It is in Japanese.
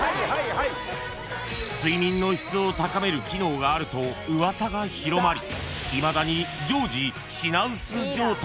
［睡眠の質を高める機能があると噂が広まりいまだに常時品薄状態］